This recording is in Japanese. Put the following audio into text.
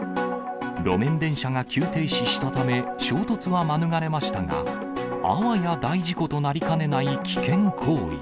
路面電車が急停止したため、衝突は免れましたが、あわや大事故となりかねない危険行為。